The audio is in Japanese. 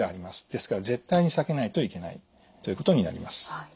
ですから絶対に避けないといけないということになります。